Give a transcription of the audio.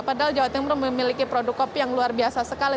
padahal jawa timur memiliki produk kopi yang luar biasa sekali